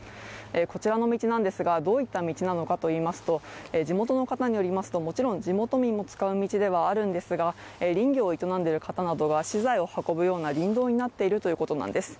こちらの道なんですが、どういった道なのかといいますと地元の方によりますと、もちろん地元民が使う道でもありますが林業を営んでいる方などが資材を運ぶような林道になっているということなんです。